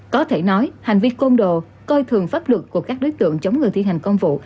có thể nói hành vi côn đồ coi thường pháp luật của các đối tượng chống người thi hành công vụ